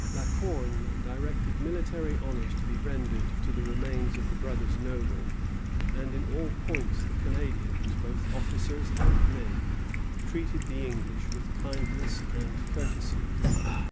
La Corne directed military honors to be rendered to the remains of the brothers Noble; and in all points the Canadians, both officers and men, treated the English with kindness and courtesy.